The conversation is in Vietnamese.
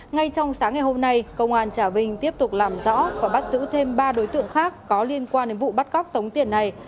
ngay trong sáng ngày hôm nay công an trà vinh tiếp tục làm rõ và bắt giữ thêm ba đối tượng khác có liên quan đến vụ bắt cóc tống tiền này